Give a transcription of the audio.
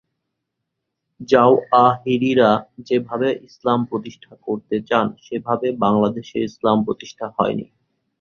জাওয়াহিরিরা যেভাবে ইসলাম প্রতিষ্ঠা করতে চান, সেভাবে বাংলাদেশে ইসলাম প্রতিষ্ঠা হয়নি।